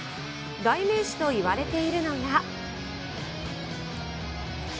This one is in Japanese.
代名詞といわれているのが。